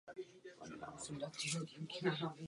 Po formální a právní stránce odpověď pana komisaře chápu.